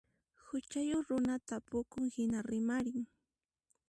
Huchayuq runa tapunku hina rimarin.